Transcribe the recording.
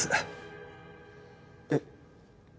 えっ？